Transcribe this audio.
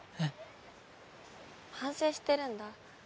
反省してるんだ